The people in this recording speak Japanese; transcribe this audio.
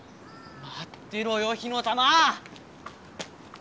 まってろよ火の玉！